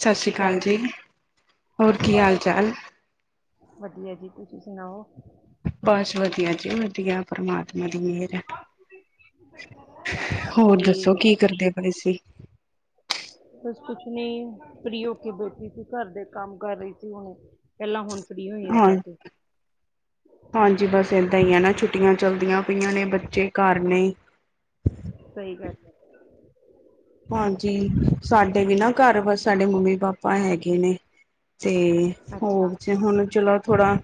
ਸਤਿ ਸ੍ਰੀ ਅਕਾਲ ਜੀ। ਹੋਰ ਕੀ ਹਾਲ ਚਾਲ? ਨਹੀਂ ਜੀ ਤੁਸੀਂ ਸੁਣਾਓ। ਬਸ ਵਧੀਆ ਜੀ ਵਧੀਆ ਪ੍ਰਮਾਤਮਾ ਦੀ ਮਿਹਰ ਹੈ। ਹੋਰ ਮੇਰੀ ਦੱਸੋ ਗੱਲ ਕੀ ਕਰਦੇ ਪਏ ਸੀ। ਬਸ ਕੁਛ ਨੀ ਫਰੀ ਹੋ ਕੇ ਬੈਠੀ ਸੀ ਘਰ ਦੇ ਕੰਮ ਕਰ ਰਹੀ ਸੀ ਹੁਣ ਪਹਿਲਾਂ ਹੁਣ। ਫ੍ਰੀ ਹੋਈ ਆ ਹਾਂ ਜਾ ਕੇ ਹਾਂਜੀ ਬਸ ਏਦਾਂ ਹੀ ਆ ਨਾ ਛੁ ਛੁੱਟੀਆਂ ਚਲਦੀਆਂ ਪਈਆਂ ਨੇ ਬੱਚੇ ਘਰ ਨੇ। ਸਹੀ ਗੱਲ ਹਾਂਜੀ ਸਾਡੇ ਵੀ ਨਾ ਘਰ ਬਸ ਸਾਡੇ ਮੰਮੀ ਪਾਪਾ ਹੈਗੇ ਨੇ। ਤੇ ਹੈ ਅੱਛਾ ਹੋਰ ਜ ਹੁਣ ਚਲੋ ਥੋੜਾ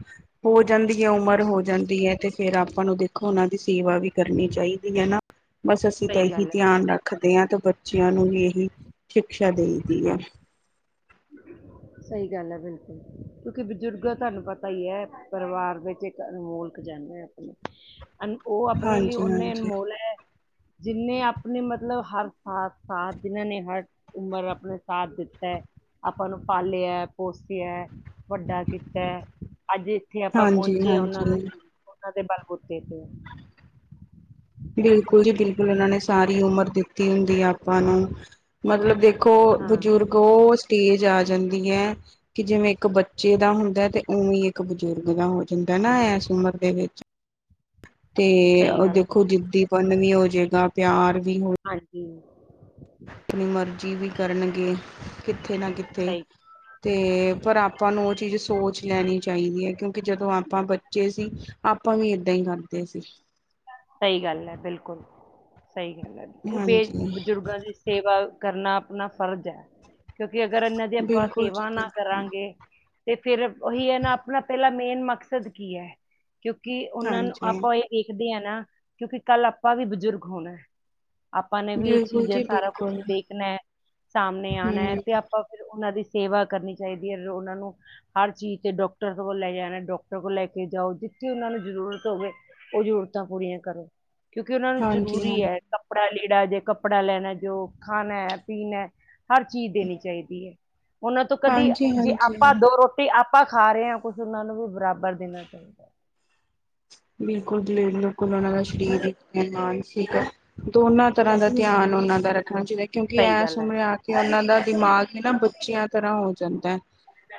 ਹੋ ਜਾਂਦੀ ਹੈ ਉਮਰ ਹੋ ਜਾਂਦੀ ਹੈ ਤੇ ਫੇਰ ਆਪਾਂ ਨੂੰ ਦੇਖੋ ਉਹਨਾਂ ਦੀ ਸੇਵਾ ਵੀ ਕਰਨੀ ਚਾਹੀਦੀ ਚਾਹੀਦੀ ਹੈ ਨਾ ਬਸ ਅਸੀਂ ਤਾਂ ਸਹੀ ਇਹੀ ਗੱਲ ਹੈ ਧਿਆਨ ਬਿਲਕੁਲ ਰੱਖਦੇ ਹਾਂ ਤੇ ਬੱਚਿਆਂ ਨੂੰ ਵੀ ਇਹੀ ਸ਼ਿਕਸ਼ਾ ਦੇ ਦੀ ਹੈ ਸਹੀ ਗੱਲ ਹੈ ਬਿਲਕੁਲ ਕਿਉਂਕਿ ਬਜ਼ੁਰਗ ਤੁਹਾਨੂੰ ਪਤਾ ਹੀ ਹੈ ਪਰਿਵਾਰ ਵਿੱਚ ਇੱਕ ਅਨਮੋਲ ਜਾਂਦੇ ਆਪਣੇ ਅ ਉਹ ਆਪਣੇ ਲਈ ਓਨੇ ਹਾਂਜੀ-ਹਾਂਜੀ, ਅਨਮੋਲ ਹੈ ਜਿੰਨੇ ਆਪਣੇ ਮਤਲਬ ਹਰ ਸਾਥ ਸਾਥ ਜਿੰਨਾਂ ਨੇ ਹਰ ਉਮਰ ਆਪਣੇ ਸਾਥ ਦਿੱਤਾ ਹੈ ਆਪਾਂ ਨੂੰ ਪਾਲਿਆ ਪੋਸਿਆ ਵੱਡਾ ਕੀਤਾ ਅੱਜ ਇੱਥੇ ਆਪਾਂ ਪਹੁੰਚੇ ਆ ਉਹਨਾਂ ਦੇ ਹਾਂਜੀ-ਹਾਂਜੀ। ਉਹਨਾਂ ਦੇ ਬਲਬੂਤੇ ਤੇ ਬਿਲਕੁਲ ਜੀ ਬਿਲਕੁਲ ਉਹਨਾਂ ਨੇ ਸਾਰੀ ਉਮਰ ਦਿੱਤੀ ਹੁੰਦੀ ਹੈ ਆਪਾਂ ਨੂੰ ਮਤਲਬ ਦੇਖ ਦੇਖੋ ਹਾਂ ਬਜ਼ੁਰਗ ਉਹ ਸਟੇਜ ਆ ਜਾਂਦੀ ਹੈ ਕਿ ਜਿਵੇਂ ਇੱਕ ਬੱਚੇ ਦਾ ਹੁੰਦਾ ਤੇ ਉਵੇਂ ਇੱਕ ਬਜ਼ੁਰਗ ਦਾ ਹੋ ਜਾਂਦਾ ਨਾ ਇਸ ਉਮਰ ਦੇ ਵਿੱਚ ਤੇ ਸਹੀ ਉਹ ਗੱਲ ਹੈ ਦੇਖੋ ਜਿੱਦੀਪਨ ਵੀ ਹੋਜੇ ਗਾ ਪਿਆਰ। ਵੀ ਹੋ ਹਾਂਜੀ। ਆਪਣੀ ਮਰਜ਼ੀ ਵੀ ਕਰਨਗੇ ਕਿੱਥੇ ਨਾ ਕਿੱਥੇ। ਸਹੀ ਤੇ ਪਰ ਆਪਾਂ ਨੂੰ ਉਹ ਚੀਜ਼ ਸੋਚ ਲੈਣੀ ਚਾਹੀਦੀ ਹੈ ਕਿਉਂਕਿ? ਕਿਉਂਕਿ ਜਦੋਂ ਆਪਾਂ ਬੱਚੇ ਸੀ ਆਪਾਂ ਵੀ ਏਦਾਂ ਹੀ ਕਰਦੇ ਸੀ। ਸਹੀ ਗੱਲ ਹੈ ਬਿਲਕੁਲ। ਸਹੀ ਗੱਲ ਹੈ ਕਿਉਂਕਿ ਬੇ ਹਾਂਜੀ। ਬਜ਼ੁਰਗਾਂ ਦੀ ਸੇਵਾ ਕਰਨਾ ਆਪਣਾ ਫਰਜ਼ ਹੈ ਕਿਉਂਕਿ ਕਿਉਂਕਿ ਅਗਰ ਇਹਨਾਂ ਦੀ ਆਪਾਂ ਬਿਲਕੁਲ ਜੀ ਸੇਵਾ ਨਾ ਬਿਲਕੁਲ ਕਰਾਂਗੇ ਤੇ ਫੇਰ ਉਹੀ ਹੈ ਨਾ ਆਪਣਾ ਪਹਿਲਾਂ ਮੇਨ ਮਕਸਦ ਕੀ ਹੈ ਕਿਉਂਕਿ ਉਹਨਾਂ ਨੂੰ ਹਾਂਜੀ ਆਪਾਂ ਇਹ ਦੇੇਖਦੇ ਹਾਂ ਨਾ ਕਿਉਂਕਿ ਕੱਲ੍ਹ ਆਪਾਂ ਵੀ ਬਜ਼ੁਰਗ ਹੋਣਾ ਹੈ। ਆਪਾਂ ਨੇ ਵੀ ਇਹ ਬਿਲਕੁਲ ਚੀਜ਼ ਇਹ ਜੀ ਸਾਰਾ ਕੁਛ ਬਿਲਕੁਲ ਦੇਖਣਾ ਹੈ। ਸਾਹਮਣੇ ਆਉਣਾ ਹੈ ਹੂੰ ਤੇ ਆਪਾਂ ਫਿਰ ਉਹਨਾਂ ਦੀ। ਸੇਵਾ ਕਰਨੀ ਚਾਹੀਦੀ ਹੈ ਉਹਨਾਂ ਨੂੰ ਹਰ ਚੀਜ਼ ਤੇ ਡਾਕਟਰ ਕੋਲ ਲੈ ਜਾਣਾ ਡਾਕਟਰ ਕੋਲ ਲੈ ਕੇ ਜਾਓ । ਤੇ ਉਹਨਾਂ ਨੂੰ ਜ਼ਰੂਰਤ ਹੋਵੇ ਉਹ ਜ਼ਰੂਰਤਾਂ ਪੂਰੀਆਂ। ਕਰੋ ਕਿਉਂਕਿ ਉਹਨਾਂ ਨੂੰ ਹਾਂਜੀ ਹਾਂ ਜਰੂਰੀ ਹੈ ਕੱਪੜਾ ਲੀੜਾ। ਲੀੜਾ ਜੇ ਕੱਪੜਾ ਲੈਣਾ ਜੋ ਖਾਣਾ ਪੀਣਾ ਹਰ ਚੀਜ਼ ਦੇਣੀ ਚਾਹੀਦੀ ਹੈ। ਉਹਨਾਂ ਤੋਂ ਕਦੀ ਹਾਂਜੀ ਜੇ ਹਾਂਜੀ ਆਪਾਂ ਦੋ ਰੋਟੀ । ਆਪਾਂ ਖਾ ਰਹੇ ਹਾਂ ਕੁਛ ਉਹਨਾਂ ਨੂੰ ਵੀ ਬਰਾਬਰ ਦੇਣਾ ਚਾਹੀਦਾ ਹੈ। ਜੀ। ਬਿਲਕੁਲ ਬਿਲਕੁਲ ਉਹਨਾਂ ਦਾ ਸਰੀਰਕ, ਮਾਨਸਿਕ ਦੋਨਾਂ ਤਰ੍ਹਾਂ ਦਾ ਧਿਆਨ ਉਹਨਾਂ ਦਾ । ਰੱਖਣਾ ਚਾਹੀਦਾ ਹੈ। ਕਿਉਂਕਿ ਸਹੀ ਐਸ ਗੱਲ ਹੈ ਉਮਰੇ ਆ ਕੇ ਉਹਨਾਂ ਦਾ ਦਿਮਾਗ ਹੀ ਨਾ ਬੱਚਿਆਂ ਤਰ੍ਹਾਂ ਹੋ ਜਾਂਦਾ ਹੈ।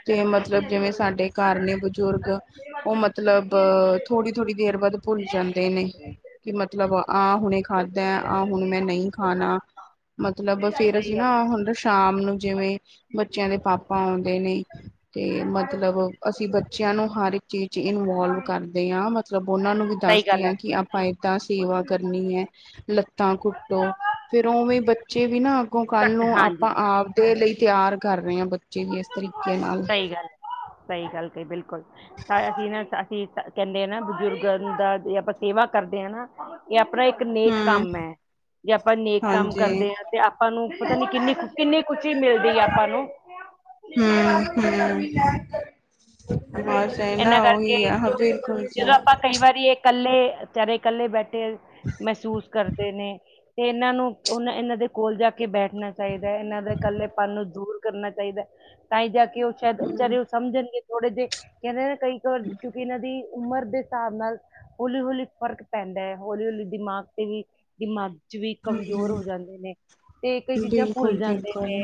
ਤੇ ਮਤਲਬ ਜਿਵੇਂ ਸਾਡੇ ਘਰ ਨੇ ਬਜ਼ੁਰਗ ਉਹ ਮਤਲਬ। ਥੋੜ੍ਹੀ ਦੇਰ ਬਾਅਦ ਭੁੱਲ ਜਾਂਦੇ ਨੇ ਕਿ ਮਤਲਬ ਆਹ ਹੁਣੇ ਖਾਧਾ ਆਹ ਹੁਣੇ ਮੈਂ ਨਹੀਂ ਖਾਣਾ। ਮਤਲਬ ਸਹੀ ਗੱਲ ਫੇਰ ਅਸੀਂ ਨਾ ਹੈ ਹੁਣ ਤਾ ਸ਼ਾਮ। ਨੂੰ ਜਿਵੇਂ ਬੱਚਿਆਂ ਦੇ ਪਾਪਾ ਆਉਂਦੇ ਨੇ ਤੇ ਮਤਲਬ ਅਸੀਂ ਬੱਚਿਆਂ ਨੂੰ। ਹਰ ਇੱਕ ਚੀਜ਼ 'ਚ ਇਨਵੋਲਵ ਕਰਦੇ। ਕਰਦੇ ਹਾਂ। ਮਤਲਬ ਉਹਨਾਂ ਨੂੰ ਵੀ ਸਹੀ ਦੱਸਦੇ ਗੱਲ ਹਾਂ ਹੈ ਕਿ ਆਪਾਂ ਏਦਾਂ ਸੇਵਾ ਕਰਨੀ ਹੈ। ਲੱਤਾ ਕੁੱਟੋ ਫੇਰ ਉਵੇਂ ਬੱਚੇ ਵੀ ਨਾ ਅੱਗੋਂ ਕੱਲ ਘੱਟ ਨੂੰ ਹਾਂਜੀ ਆਪਾਂ ਆਪ ਦੇ ਲਈ। ਤਿਆਰ ਕਰ ਰਹੇ ਹਾਂ। ਬੱਚੇ ਵੀ ਇਸ ਤਰੀਕੇ ਨਾਲ? ਸਹੀ ਗੱਲ ਸਹੀ ਗੱਲ ਕਹੀ ਬਿਲਕੁਲ ਤਾਂ ਅਸੀਂ ਨਾ ਅਸੀਂ ਕਹਿੰਦੇ ਹਾਂ ਨਾ ਬਜ਼ੁਰਗ ਦਾ ਜੇ ਆਪਾਂ ਸੇਵਾ ਕਰਦੇ ਹਾ ਨਾ ਇਹ ਆਪਣਾ ਇੱਕ ਨੇਕ ਹੂੰ, ਕੰਮ ਹੈ ਜੇ ਆਪਾਂ ਨੇਕ ਕੰਮ ਹਾਂਜੀ। ਕਰਦੇ ਹਾਂ ਤੇ ਆਪਾਂ ਨੂੰ ਪਤਾ ਨੀ ਕਿੰਨੀ ਕਿੰਨੀ ਖੁਸ਼ੀ ਮਿਲਦੀ ਹੈ ਆਪਾਂ ਨੂੰ ਹੂੰ ਹੂੰ ਹਨਾ ਇਹਨਾਂ ਕਰਕੇ ਬਿਲਕੁਲ ਜੀ। ਜਦੋਂ ਆਪਾਂ ਕਈ ਵਾਰੀ ਇਹ ਇਕੱਲੇ ਵਿਚਾਰੇ ਇਕੱਲੇ ਬੈਠੇ ਮਹਿਸੂਸ ਕਰਦੇ ਨੇ ਤੇ ਇਹਨਾਂ ਨੂੰ ਉਹਨਾਂ ਇਹਨਾਂ ਦੇ ਕੋਲ ਜਾ ਕੇ ਬੈਠਣਾ ਚਾਹੀਦਾ ਹੈ। ਇਹਨਾਂ ਦੇ ਇਕੱਲੇਪਨ ਨੂੰ ਦੂਰ ਕਰਨਾ ਚਾਹੀਦਾ ਹੈ ਤਾਂ ਹੀ ਜਾ ਕੇ ਉਹ ਸ਼ਾਇਦ ਹੂੰ, ਵਿਚਾਰੇ ਉਹ ਸਮਝਣਗੇ ਥੋੜੇ ਜਿਹੇ ਕਹਿੰਦੇ ਨਾ ਕਈ ਕੁ ਵਾਰ ਕਿਉਂਕਿ ਇਹਨਾਂ ਦੀ ਉਮਰ ਦੇ ਹਿਸਾਬ ਨਾਲ ਹੌਲੀ ਹੌਲੀ ਫ਼ਰਕ ਪੈਂਦਾ ਹੈ ਹੌਲੀ ਹੌਲੀ ਦਿਮਾਗ ਤੇ ਵੀ ਦਿਮਾਗੀ 'ਚ ਵੀ ਕਮਜ਼ੋਰ ਹੋ ਜਾਂਦੇ ਨੇ ਤੇ ਕਈ ਚੀਜ਼ਾਂ ਭੁੱਲ ਜਾਂਦੇ ਬਿਲਕੁਲ-ਬਿਲਕੁਲ। ਨੇ।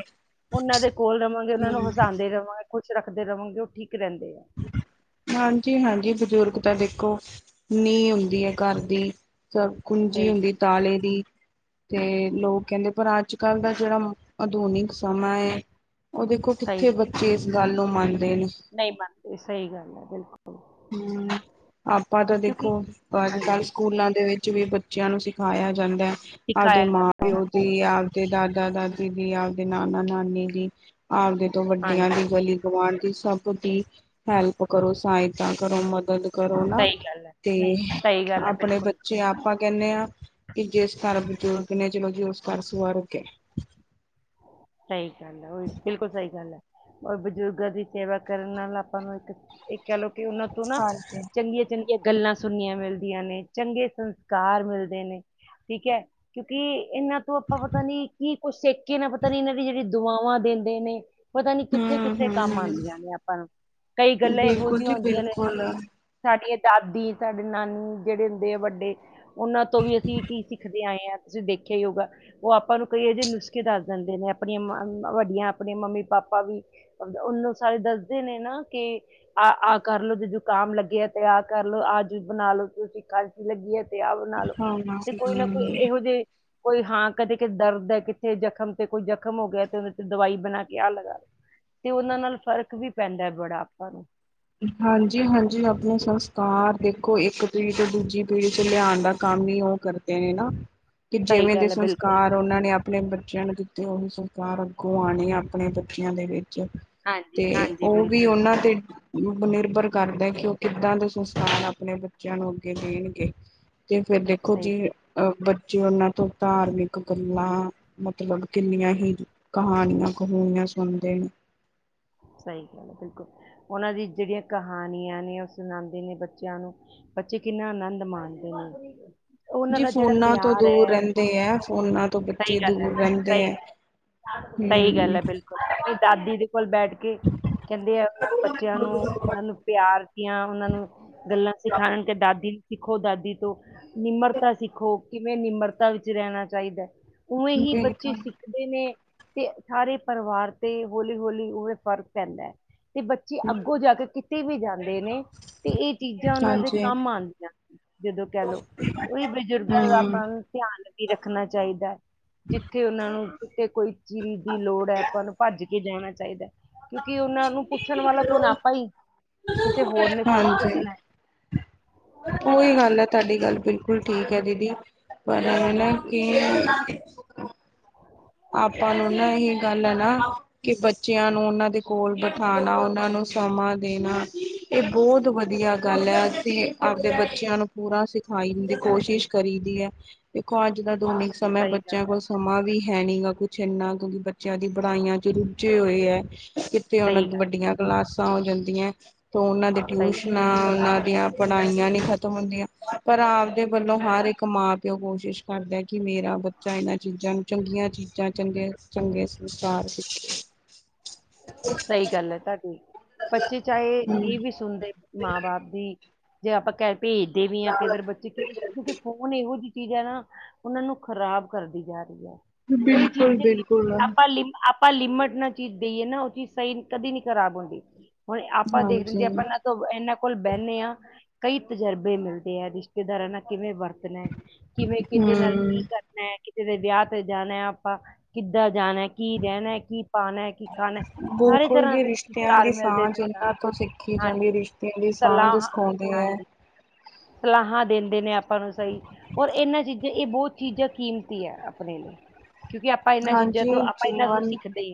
ਉਹਨਾਂ ਦੇ ਕੋਲ ਰਵਾਂਗੇ ਉਹਨਾਂ ਨੂੰ ਹੂੰ, ਹਸਾਂਦੇ ਰਵਾਂਗੇ, ਖੁਸ਼ ਰੱਖਦੇ ਰਵਾਂਗੇ, ਉਹ ਠੀਕ। ਰਹਿੰਦੇ ਆ ਹਾਂਜੀ--ਹਾਂਜੀ ਬਜ਼ੁਰਗ। ਤਾਂ ਦੇਖੋ ਨੀਂਹ ਹੁੰਦੀ ਹੈ ਘਰ ਦੀ ਤ ਕੁੰਜੀ ਸਹੀ ਹੁੰਦੀ ਤਾਲੇ ਦੀ। ਤੇ ਲੋਕ ਕਹਿੰਦੇ ਪਰ ਅੱਜ ਕੱਲ ਦਾ ਜੇਹੜਾ। ਆਧੁਨਿਕ ਸਮਾਂ ਹੈ ਉਹ ਦੇਖੋ ਸਹੀ ਕਿੱਥੇ ਬੱਚੇ ਇਸ ਗੱਲ ਨੂੰ ਮੰਨ। ਨਹੀਂ ਮੰਨਦੇ ਸਹੀ ਗੱਲ ਹੈ ਬਿਲਕੁਲ। ਹਮ ਆਪਾਂ ਤਾਂ ਕਿਉਂਕਿ ਦੇਖੋ ਅੱਜ ਹਾਂਜੀ ਕੱਲ੍ਹ ਸਕੂਲਾਂ ਦੇ ਵਿੱਚ ਵੀ ਬੱਚਿਆਂ ਨੂੰ ਸਿਖਾਯਾ ਜਾਂਦਾ ਹੈ। ਸਿਖਾਇਆ ਆਪਦੇ ਮਾਂ ਜਾਂਦਾ ਹੈ ਪਿਓ ਦੀ ਆਪ। ਤੇ ਦਾਦਾ ਦਾਦੀ ਦੀ, ਆਪਦੇ ਨਾਨਾ ਨਾਨੀ ਦੀ, ਆਪਦੇ ਤੋਂ ਹਾਂਜੀ ਵੱਡਿਆਂ ਦੀ। [unintelligible] ਗੁਆਂਡੀ ਸਭ ਦੀ ਹੈਲਪ ਕਰੋ। ਸਹਾਇਤਾ ਕਰੋ। ਮਦਦ? ਕਰੋ ਨਾ ਸਹੀ ਗੱਲ ਹੈ ਤੇ ਸਹੀ ਗੱਲ ਹੈ ਆਪਣੇ ਬਿਲਕੁਲ ਬੱਚੇ ਆਪਾਂ ਕਹਿੰਨੇ ਆਂ। ਕੇ ਜਿਸ ਘਰ ਬਜ਼ੁਰਗ ਨੇ ਚਲੋ ਜੀ ਉਸ ਘਰ ਸੁਵਰੱਗ ਏ। ਸਹੀ ਗੱਲ ਹੈ ।ਉਹੀ ਬਿਲਕੁਲ ਸਹੀ ਗੱਲ ਹੈ। ਔਰ ਬਜ਼ੁਰਗਾਂ ਦੀ ਸੇਵਾ ਕਰਨ ਨਾਲ ਆਪਾਂ ਨੂੰ ਇੱਕ [unintelligible] ਕੇ ਉਹਨਾਂ ਤੋਂ ਨਾ ਹਾਂਜੀ ਚੰਗੀਆਂ ਚੰਗੀਆਂ ਗੱਲਾਂ ਸੁਣਨੀਆਂ ਮਿਲਦੀਆਂ ਨੇ, ਚੰਗੇ ਸੰਸਕਾਰ ਮਿਲਦੇ ਨੇ, ਠੀਕ ਹੈ ਕਿਉਂਕਿ ਇਹਨਾਂ ਤੋਂ ਆਪਾਂ ਪਤਾ ਨੀ ਕੀ ਕੁੱਛ ਸਿੱਖਕੇ ਨਾ ਪਤਾ ਜੇੜੀ ਦੁਆਵਾਂ ਦੇਂਦੇ ਨੇ ਪਤਾ ਨੀ ਕਿੱਥੇ ਹਮ ਕਿੱਥੇ ਹਮ ਕੰਮ ਆਨੰਦੀਆਂ ਹਮ ਨੇ ਆਪਾਂ ਨੂੰ, ਕਈ ਗੱਲਾਂ ਇਹੋ ਬਿਲਕੁਲ ਜਿਹੀਆਂ ਜੀ ਹੁੰਦੀਆਂ ਨੇ ਬਿਲਕੁਲ [unintelligible] ਹਾਂ ਦਾਦੀ ਸਾਡੇ ਨਾਨੀ ਜਿਹੜੇ ਹੁੰਦੇ ਆ ਵੱਡੇ, ਉਹਨਾਂ ਤੋਂ ਵੀ ਅਸੀਂ ਕੀ ਸਿੱਖਦੇ ਆਏ ਹਾਂ ਤੁਸੀਂ ਦੇਖਿਆ ਹੀ ਹੋਊਗਾ ਉਹ ਆਪਾਂ ਨੂੰ ਕਈ ਏਹੋ ਜੇ ਨੁਸਖੇ ਦ [unintelligible] ਅਪਣੀਆਂ ਵੱਡੀਆਂ ਅਪਣੀ ਮੰਮੀ ਪਾਪਾ ਵੀ ਉਹਨੂੰ ਸਾਰੇ ਦੱਸਦੇ ਨੇ ਨਾ ਕਿ ਆਹ ਆਹ ਕਰ ਲੋ ਜੇ ਜੁਕਾਮ ਲੱਗਆ ਤੇ ਆਹ ਕਰ ਲੋ, ਆਹ ਚੀਜ਼ ਬਣਾ ਲੋਂ, ਤੁਸੀ ਖਾਂਸੀ ਲੱਗੀ ਏ ਤੇ ਅ ਬਨਾ ਲੋ ਤੇ ਕੋਈ ਨਾ ਕੋਈ ਹਮ ਇਹੋ ਜਿਹੇ ਕੋਈ ਹਾਂ ਕਦੇ ਕਿ ਦਰਦ ਹੈ, ਕਿੱਥੇ ਜਖਮ ਤੇ ਕੋਈ ਜ਼ਖਮ ਹੋ ਗਿਆ ਤੇ ਉਹਦੇ ਤੇ ਦਵਾਈ ਬਣਾ ਕੇ ਆਹ ਲਗਾ ਲੋ। ਤੇ ਉਹਨਾਂ ਨਾਲ ਫ਼ਰਕ ਵੀ ਪੈਂਦਾ ਹੈ ਬੜਾ ਆਪਾਂ ਨੂੰ। ਹਾਂਜੀ- ਹਾਂਜੀ ਅਪਣੇ ਸੰਸਕਾਰ ਦੇਖੋ ਇੱਕ ਪੀੜੀ ਤੋਂ ਦੂਜੀ ਪੀੜੀ ਚ ਲਿਆਣ ਦਾ ਕੰਮ [unintelligible] ਉਹ ਕਰਦੇ ਨੇ ਨਾ ਕਿ ਸਹੀ ਜਿਵੇਂ ਦੇ ਗੱਲ ਹੈ ਬਿਲਕੁਲ ਸੰਸਕਾਰ ਉਹਨਾਂ ਨੇ ਅਪਣੇ ਬੱਚਿਆਂ ਨੂੰ ਤੇ ਉਹੀ ਸੰਸਕਾਰ ਅੱਗੋਂ ਆਣੇ ਅਪਣੇ ਬੱਚਿਆਂ ਦੇ ਵੀ ਹਾਂਜੀ ਤੇ ਹਾਂਜੀ ਉਹ ਵੀ ਬਿਲਕੁਲ ਉਹਨਾਂ ਤੇ ਨਿਰਭਰ ਕਰਦਾ ਕਿ ਕਿੱਦਾਂ ਦੇ ਸੰਸਕਾਰ ਅਪਣੇ ਬੱਚਿਆਂ ਨੂੰ ਅੱਗੇ ਦੇਣਗੇ? ਤੇ ਫੇਰ ਦੇਖੋ ਸਹੀ ਜੀ ਗੱਲ ਅਹ ਬੱਚੇ ਉਹਨਾਂ ਤੋਂ ਧਾਰਮਿਕ ਗੱਲਾਂ ਮਤਲਬ ਕਿੰਨੀਆਂ ਹੀ ਕਹਾਣੀਆਂ ਕਹੂਣੀਆਂ ਸੁਣਦੇ ਨੇ। ਸਹੀ ਗੱਲ ਹੈ ਬਿਲਕੁਲ। ਉਹਨਾਂ ਦੀ ਜੇੜੀਆਂ ਕਹਾਣੀਆਂ ਨੇ ਉਹ ਸੁਣਾਉਂਦੇ ਨੇ ਬੱਚਿਆਂ ਨੂੰ ਬੱਚੇ ਕਿੰਨਾ ਆਨੰਦ ਮਾਣਦੇ ਨੇ। ਉਹਨਾਂ ਜੀ ਦਾ ਜਿਹੜਾ ਫੋਨਾਂ ਤੋਂ ਪਿਆਰ ਦੂਰ ਹੈ ਰਹਿੰਦੇ ਹੈ ਫੋਨਾਂ ਤੋਂ ਸਹੀ ਬੱਚੇ ਗੱਲ ਦੂਰ ਹੈ, ਰਹਿੰਦੇ ਸਹੀ। ਹੈ। ਸਹੀ ਗੱਲ ਹੂੰ। ਹੈ ਬਿਲਕੁਲ, ਅਪਣੀ ਦਾਦੀ ਦੇ ਕੋਲ ਬੈਠ ਕੇ ਕਹਿੰਦੇ ਆ ਉਹਨਾਂ ਬੱਚਿਆਂ ਨੂੰ ਉਹਨਾਂ ਨੂੰ ਪਿਆਰ ਦੀਆਂ ਉਹਨਾਂ ਨੂੰ ਗੱਲਾਂ ਸਿਖਾਣ ਗੇ ਦਾਦੀ ਸਿੱਖੋ ਦਾਦੀ ਤੋਂ, ਨਿਮਰਤਾ ਸਿੱਖੋ, ਕਿਵੇਂ ਨਿਮਰਤਾ ਵਿੱਚ ਰਹਿਣਾ ਚਾਹੀਦਾ। ਉਵੇਂ ਹੀ ਬੱਚੇ ਬਿਲਕੁਲ ਸਿੱਖਦੇ ਨੇ ਤੇ ਸਾਰੇ ਪਰਿਵਾਰ ਤੇ ਹੌਲੀ ਹੌਲੀ ਉਵੇ ਫ਼ਰਕ ਪੈਂਦਾ। ਤੇ ਬੱਚੇ ਅੱਗੋਂ ਜਾ ਕੇ ਕਿਤੇ ਵੀ ਜਾਂਦੇ ਨੇ ਤੇ ਇਹ ਚੀਜ਼ਾਂ ਉਹਨਾਂ ਦੇ ਹਾਂਜੀ ਕੰਮ ਆਣਗਿਆ। ਜਦੋਂ ਕਹਿ ਲੋ, ਉਹੀ ਬਜ਼ੁਰਗਾਂ ਦਾ ਹੂੰ। ਆਪਾਂ ਧਿਆਨ ਵੀ ਰੱਖਣਾ ਚਾਹੀਦਾ ਜਿੱਥੇ ਉਹਨਾਂ ਨੂੰ ਕਿਤੇ ਕੋਈ ਚੀਜ਼ ਦੀ ਲੋੜ ਹੈ ਆਪਾਂ ਨੂੰ ਭੱਜ ਕੇ ਜਾਣਾ ਚਾਹੀਦਾ, ਕਿਉਂਕਿ ਉਹਨਾਂ ਨੂੰ ਪੁੱਛਣ ਵਾਲਾ ਕੋਣ ਆਪਾਂ ਹੀ ਕਿਸੇ ਹੋਰ ਨੇ ਥੋੜਾ ਹਾਂਜੀ ਪੁੱਛਣਾ ਹੈ। ਉਹੀ ਗੱਲ ਹੈ, ਤੁਹਾਡੀ ਗੱਲ ਬਿਲਕੁਲ ਠੀਕ ਹੈ ਦੀਦੀ, ਪਰ ਨ ਹਾਂਜੀ ਕਿ ਆਪਾਂ ਨੂੰ ਨਾ ਇਹ ਗੱਲ ਹੈ ਨਾ ਕਿ ਬੱਚਿਆਂ ਨੂੰ ਉਹਨਾਂ ਦੇ ਕੋਲ ਖਾਣਾ, ਉਹਨਾਂ ਨੂੰ ਸਮਾਂ ਦੇਣਾ ਇਹ ਬਹੁਤ ਵਧੀਆ ਗੱਲ ਐ। ਅਸੀਂ ਆਪਦੇ ਬੱਚਿਆਂ ਨੂੰ ਪੂਰਾ ਸਿਖਾਈ ਦੀ ਕੋਸ਼ਿਸ਼ ਕਰੀ ਦੇਖੋ। ਅੱਜ ਕਲ ਦੋ ਮਿੰਟ ਸਮਾਂ ਏ ਸਹੀ ਬੱਚਿਆਂ ਗੱਲ ਹੈ ਕੋਲ ਸਮਾਂ ਵੀ ਹੈ ਨਹੀਂ ਗਾ। ਕੁਛ ਏਨਾ ਕਿਉਂਕਿ ਬੱਚਿਆਂ ਦੀ ਪੜ੍ਹਾਈਆਂ ਚ ਰੁੱਝੇ ਹੋਏ ਐ। ਕਿਤੇੇ ਹੁਣ ਸਹੀ ਗੱਲ ਵੱਡੀਆਂ ਕਲਾਸਾਂ ਹੋ ਜਾਂਦੀਆਂ ਤੋ ਉਹਨਾਂ ਦੇ ਸਹੀ ਟਿਊਸ਼ਨਾਂ, ਉਹਨਾਂ ਚਿਆ ਪੜ੍ਹਾਈਆਂ ਨੀ ਖਤਮ ਹੁੰਦੀਆਂ, ਪਰ ਆਪਦੇ ਵੱਲੋਂ ਹਰ ਇੱਕ ਮਾਂ ਪਿਓ ਕੋਸ਼ਿਸ਼ ਕਰਦਾ ਕੀ ਮੇਰਾ ਬੱਚਾ ਇਹਨਾਂ ਚੀਜ਼ਾਂ ਨੂੰ ਚੰਗੀਆਂ ਚੀਜ਼ਾਂ, ਚੰਗੇ ਚੰਗੇ ਸੰਸਕਾਰ ਸਿੱਖੇ। ਸਹੀ ਗੱਲ ਐ ਤਾਡੀ। ਬੱਚੇ ਚਾਹੇ ਹੂੰ ਨਹੀਂ ਵੀ ਸੁਣਦੇ ਮਾਂ ਬਾਪ ਦੀ ਜੇ ਆਪਾਂ ਕਹਿ ਭੇਜਦੇ ਵੀ ਹਾਂ। ਕਈ ਵਾਰ ਬੱਚੇ ਕਿ, ਕਿਉਂਕਿ ਫੋਨ ਇਹੋ ਜਿਹੀ ਚੀਜ਼ ਹੈ ਨਾ‌‌। ਉਹਨਾਂ ਨੂੰ ਖ਼ਰਾਬ ਕਰਦੀ ਜਾ ਰਹੀ ਐ। ਕਈ ਬਿਲਕੁਲ ਚੀਜ਼ ਚ ਬਿਲਕੁਲ ਆਪਾ ਲਿਮ ਆਪ ਆਪਾਂ ਲਿਮਟ ਨਾਲ ਚੀਜ਼ ਦੇਈਏ ਨਾ। ਉਹ ਚੀਜ਼ ਸਹੀ, ਕਦੇ ਨੀ ਖਰਾਬ ਹੁੰਦੀ। ਹੁਣ ਆਪਾਂ ਦੇਖਦੇ ਹਾਂਜੀ ਜੇ, ਆਪਾਂ ਇਹਨਾਂ ਤੋਂ ਇਹਨਾਂ ਕੋਲ ਬੈਨਿਆ। ਕਈ ਤਜਰਬੇ ਮਿਲਦੇ ਐ, ਰਿਸ਼ਤੇਦਾਰਾਂ ਨਾਲ ਕਿਵੇਂ ਵਰਤ ਕਰਨਾ ਐ, ਕਿਵੇਂ ਹੂੰ ਕਿਹਦੇ ਨਾਲ ਕੀ ਕਰਨਾ ਕਿਦੇ ਵਿਆਹ ਤੇ ਜਾਣਾ ਆਪਾਂ ਕਿੱਦਾਂ ਜਾਣਾ, ਕੀ ਰਹਿਣਾ, ਕੀ ਪਾਣਾ ਐ, ਕੀ ਖਾਣਾ ਹੈ। ਹਰ ਇੱਕ ਬਿਲਕੁਲ ਤਰ੍ਹਾਂ ਜੀ ਦੇ ਰਿਸ਼ਤਿਆਂ ਸੰਸਕਾਰ ਦੀ ਮਿਲਦੇ ਸਾਂਝ ਨੇ ਉਹਨਾਂ ਨੂੰ ਇਹਨਾਂ ਤੋਂ ਸਿੱਖੀ ਜਾਂਦੀ। ਹਾਂਜੀ ਰਿਸ਼ਤਿਆਂ ਦੀ ਸਾਂਝ ਸਲਾਹਾਂ ਸਿਖਾਉਦੇ ਐ। ਹਾਂਜੀ ਸਲਾਹਾਂ ਦਿ ਦੇ ਨੇ ਆਪਾਂ ਨੂੰ ਸਹੀ। ਔਰ ਇਹਨਾਂ ਚੀਜ਼ਾਂ ਇਹ ਬਹੁਤ ਚੀਜ਼ਾਂ ਕੀਮਤੀ ਐ। ਆਪਣੇ ਲਈ ਕਿਉਂਕਿ ਆਪਾਂ ਇਹਨਾਂ ਚੀਜ਼ਾਂ ਤੋਂ ਹਾਂਜੀ ਆਪਾਂ ਇਹਨਾਂ ਨੂੰ ਜੀਵਨ ਸਿੱਖਦੇ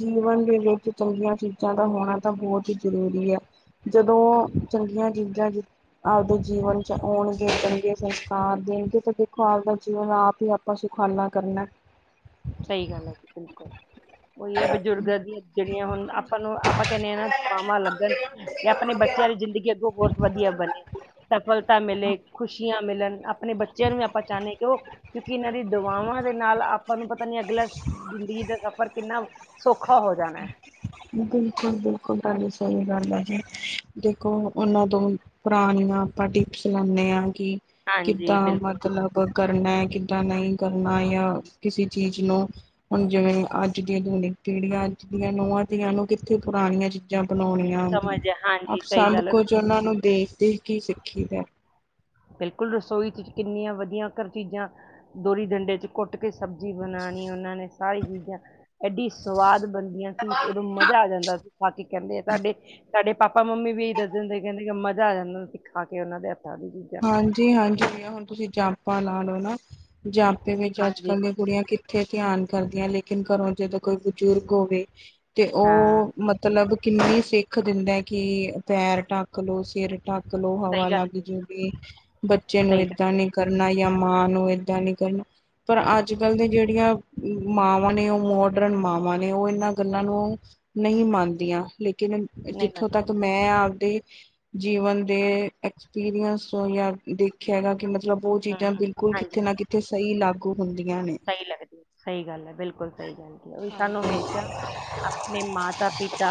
ਜੀਵਨ ਦੇ ਵਿੱਚ ਚੰਗੀਆਂ ਚੀਜ਼ਾਂ ਦਾ ਹੋਣਾ ਤਾਂ ਬਹੁਤ ਹੀ ਜ਼ਰੂਰੀ ਆ। ਜਦੋਂ ਚੰਗੀਆਂ ਚੀਜ਼ਾਂ ਜੀ, ਆਪਦੇ ਜੀਵਨ ਚ ਆਉਣਗੇ ਚੰਗੇ ਸੰਸਕਾਰ। ਦੇਖੋ! ਆਪਦਾ ਜੀਵਨ ਆਪ ਹੀ ਆਪਾਂ ਸੁਖਾਲਾ ਕਰਨਾ। ਸਹੀ ਗੱਲ ਐ ਜੀ। ਬਿਲਕੁਲ [inaudible] ਉਹੀ ਐ। ਬਜ਼ੁਰਗਾਂ ਦੀਆਂ ਜਿਹੜੀਆਂ ਹੁਣ ਆਪਾਂ ਨੂੰ ਆਪਾਂ ਕਹਿੰਦੇ ਹਾਂ ਨਾ ਦੁਆਵਾਂ ਲੱਗਣ ਜਾਂ ਆਪਣੇ ਬੱਚਿਆਂ ਲਈ ਜ਼ਿੰਦਗੀ ਅੱਗੋਂ ਬਹੁਤ ਵਧੀਆ ਬਣੇ। ਸਫਲਤਾ ਮਿਲੇ, ਖੁਸ਼ੀਆਂ ਮਿਲਨ ਆਪਣੇ ਬੱਚਿਆਂ ਨੂੰ ਵੀ ਆਪਾਂ ਚਾਹੁੰਦੇ ਆ। ਕਿ ਉਹ ਕਿਉਂਕਿ ਇਹਨਾਂ ਦੀ ਦਵਾਵਾਂ ਦੇ ਨਾਲ ਆਪਾਂ ਨੂੰ ਪਤਾ ਆਪਨੇ ਅਗਲਾ ਜ਼ਿੰਦਗੀ ਦਾ ਸਫ਼ਰ ਕਿੰਨਾ ਸੌਖਾ ਹੋ ਜਾਣਾ ਐ। ਬਿਲਕੁਲ, ਬਿਲਕੁਲ ਸਹੀ ਗੱਲ ਹੈ ਜੀ। ਦੇਖੋ ਉਹਨਾਂ ਤੋਂ ਪੁਰਾਣੀਆਂ ਆਪਾਂ ਟਿਪਸ ਲੇਂਦੇ ਆ। ਕਿ, ਹਾਂਜੀ ਕਿੱਦਾਂ ਬਿਲਕੁਲ ਮਤਲਬ ਕਰਨਾ ਐ, ਕਿੱਦਾਂ ਨਹੀਂ ਕਰਨਾ ਜਾਂ ਕਿਸੇ ਚੀਜ਼ ਨੂੰ, ਹੁਣ ਜਿਵੇਂ ਅੱਜ ਦੀ ਆਧੁਨਿਕ ਕਿਹੜੀਆਂ ਅੱਜ ਦੀਆਂ ਨੂੰਹਾ- ਧੀਆਂ ਨੂੰ ਕਿੱਥੇ ਪੁਰਾਣੀਆਂ ਚੀਜ਼ਾਂ ਚੀਜ਼ਾਂ ਬਣਾਉਣੀਆਂ ਆਂ ਦੀਆ, ਸਮਝ ਹੈ, ਹਾਂਜੀ ਆਪ ਸਹੀ ਸਭ ਗੱਲ ਹੈ ਕੁੱਝ ਉਹਨਾਂ ਨੂੰ ਦੇਖ-ਦੇਖ ਕੀ ਸਿੱਖੀ ਦਾ ਬਿਲਕੁਲ, ਰਸੋਈ ਚ ਕਿੰਨੀਆਂ ਵਧੀਆ ਘਰ ਚੀਜ਼ਾਂ ਦੋਰੀ- ਡੰਡੇ ਚ ਕੁੱਟ ਕੇ ਸਬਜ਼ੀ ਬਣਾ ਨੀ ਉਹਨਾਂ ਨੇ ਸਾਰੀ ਚੀਜ਼ਾਂ ਐਡੀ ਸਵਾਦ ਬਣਦੀਆਂ ਸੀ। ਉਦੋਂ ਮਜ਼ਾ ਆ ਜਾਂਦਾ ਸੀ ਖਾ ਕੇ ਕਹਿੰਦੇ ਆ ਸਾਡੇ ਸਾਡੇ ਪਾਪਾ- ਮੰਮੀ ਵੀ ਇਹੀ ਦੱਸ ਦਿੰਦੇ, ਕਹਿੰਦੇ ਮਜ਼ਾ ਆ ਜਾਂਦਾ ਸੀ ਖਾ ਕੇ ਉਹਨਾਂ ਦੇ ਹੱਥਾਂ ਦੀ ਚੀਜ਼ਾਂ ਹਾਂਜੀ ਹਾਂਜੀ ਅ ਹੁਣ ਤੁਸੀਂ ਜਾਪਾਂ ਲਾ ਲਓ ਨਾ। ਜਾਪੇ ਵਿੱਚ ਅੱਜ ਹਾਂਜੀ ਕੱਲ੍ਹ ਦੀ ਕੁੜੀਆਂ ਕਿ ਉੱਥੇ ਧਿਆਨ ਕਰਦੀਆਂ ਲੇਕਿਨ, ਘਰੋਂ ਜਦੋਂ ਕੋਈ ਬਜ਼ੁਰਗ ਹੋਵੇ ਤੇ ਹਾਂ ਉਹ ਮਤਲਬ ਕਿੰਨੀ ਸਿੱਖ ਦਿੰਦਾ। ਕਿ ਪੈਰ ਢੱਕ ਲਓ ਸਿਰ ਢੱਕ ਲਓ ਹਵਾ ਸਹੀ ਗੱਲ ਲੱਗ ਹੈ ਜਾਓ। ਬੱਚੇ ਨੂੰ ਸਹੀ ਗੱਲ ਏਦਾਂ ਹੈ ਨਹੀਂ ਕਰਨਾ ਜਾਂ ਮਾਂ ਨੂੰ ਏਦਾਂ ਨਹੀਂ ਕਰਨਾ। ਪਰ ਅੱਜ ਕੱਲ੍ਹ ਦੀ ਜਿਹੜੀਆਂ ਮਾਵਾਂ ਨੇ ਉਹ ਮੋਡਰਨ ਮਾਵਾਂ ਨੇ ਉਹ ਇਹਨਾਂ ਗੱਲਾਂ ਨੂੰ ਨਹੀਂ ਮੰਨਦੀਆਂ। ਲੇਕਿੰਨ ਜਿੱਥੋਂ ਤੱਕ ਮੈਂ ਦੇ ਆਪਦੀ ਜੀਵਨ ਦੇ ਐਕਸਪੀਰੀਅੰਸ ਤੋਂ ਜਾਂ ਦੇਖਿਆ ਹੈਗਾ ਕਿ ਮਤਲਬ ਮਤਲਬ ਉਹ ਹੂੰ ਚੀਜ਼ਾਂ ਹੂੰ ਬਿਲਕੁਲ ਹਾਂਜੀ ਕਿਤੇ ਨਾ ਕਿਤੇ ਸਹੀ ਲੱਗ ਸਹੀ ਲੱਗਦੀ ਸਹੀ ਗੱਲ ਹੈ ਬਿਲਕੁਲ ਸਹੀ ਗੱਲ ਕੀ ਸਾਨੂੰ ਹਾਂਜੀ। ਹਮੇਸ਼ਾ ਆਪਣੇ ਮਾਤਾ ਪਿਤਾ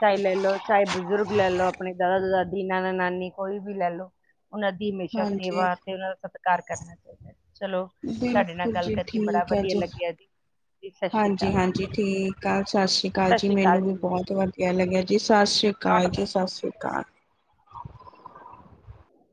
ਚਾਹੇ ਲੈ ਲੋ ਚਾਹੇ ਬਜ਼ੁਰਗ ਲੈ ਲੋ ਆਪਣੇ ਦਾਦਾ ਦਾਦੀ ਨਾਨਾ ਨਾਨੀ ਕੋਈ ਵੀ ਲੈਲੋ ਉਹਨਾਂ ਦੀ ਹਮੇਸ਼ਾ ਹਾਂਜੀ, ਸੇਵਾ ਤੇ ਉਹਨਾਂ ਦਾ ਸਤਿਕਾਰ ਕਰਨਾ ਚਾਹੀਦਾ ਹੈ ਚਲੋ ਤੁਹਾਡੇ ਨਾਲ ਬਿਲਕੁਲ ਗੱਲ ਜੀ ਕਰਕੇ ਬੜਾ ਵਧੀਆ ਲੱਗਿਆ ਜੀ ਸ਼੍ਰੀ ਹਾਂਜੀ ਅਕਾਲ ਜੀ ਹਾਂਜੀ ਠੀਕ ਆ ਸਤਿ ਸ਼੍ਰੀ ਅਕਾਲ ਜੀ ਮੈਨੂੰ ਵੀ ਬਹੁਤ ਵਧੀਆ ਲੱਗਿਆ ਜੀ ਸਤਿ ਸ਼੍ਰੀ ਕੱਟ ਅਕਾਲ ਜੀ ਸਤਿ ਸ਼੍ਰੀ ਅਕਾਲ [inaudible]